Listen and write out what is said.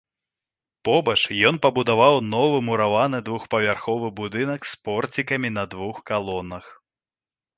Побач ён пабудаваў новы мураваны двухпавярховы будынак з порцікам на двух калонах.